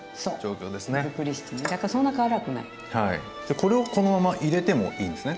これをこのまま入れてもいいんですね。